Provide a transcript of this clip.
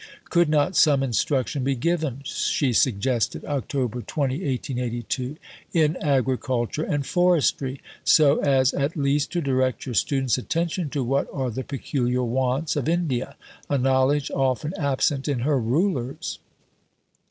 "Could not some instruction be given," she suggested (Oct. 20, 1882), "in agriculture and forestry," so as "at least to direct your students' attention to what are the peculiar wants of India, a knowledge often absent in her rulers?